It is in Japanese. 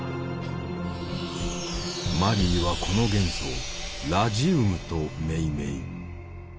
マリーはこの元素を「ラジウム」と命名。